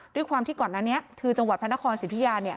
ด้วยความที่ก่อนนั้นคือจังหวัดพระนครสีทุยา